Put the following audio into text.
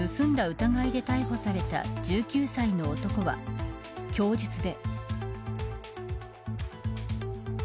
疑いで逮捕された１９歳の男は供述で。